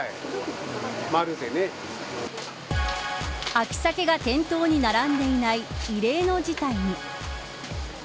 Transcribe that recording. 秋サケが店頭に並んでいない異例の事態に。